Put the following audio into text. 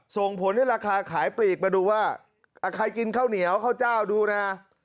ส่งผลให้ราคาขายปลีกมาดูว่าใครกินข้าวเหนียวข้าวเจ้าดูนะ